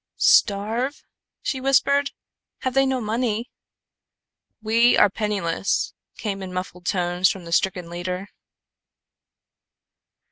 "Starve?" she whispered. "Have they no money?" "We are penniless," came in muffled tones from the stricken leader.